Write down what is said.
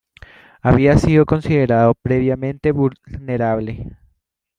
Había sido considerado previamente vulnerable.